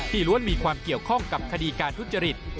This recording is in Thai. ล้วนมีความเกี่ยวข้องกับคดีการทุจริต